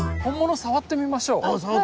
触ってみましょう。